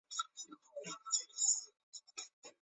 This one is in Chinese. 伦敦大学学院法学院一直是英国最顶尖的法学院之一。